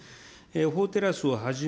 法テラスをはじめ、